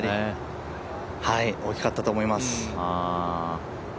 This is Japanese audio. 大きかったと思います。